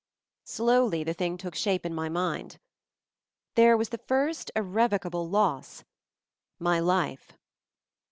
Slowly the thing took shape in my mind. There was the first, irrevocable loss — my life!